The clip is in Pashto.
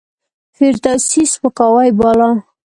فردوسي سپکاوی باله.